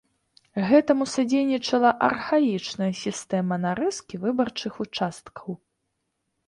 Гэтаму садзейнічала архаічная сістэма нарэзкі выбарчых участкаў.